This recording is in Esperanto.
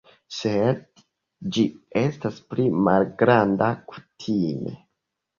Sed ĝi estas pli malgranda, kutime.